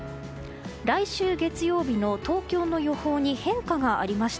来週月曜日の東京の予報に変化がありました。